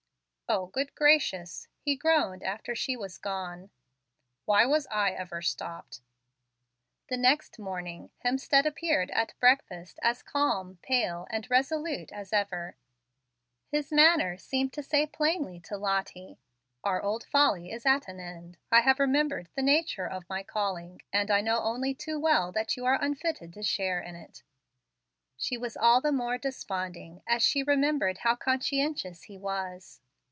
"O, good gracious!" he groaned after she was gone, "why was I ever 'stopped'?" The next morning Hemstead appeared at breakfast as calm, pale, and resolute as ever. His manner seemed to say plainly to Lottie, "Our old folly is at an end. I have remembered the nature of my calling, and I know only too well that you are unfitted to share in it." She was all the more desponding as she remembered how conscientious he was.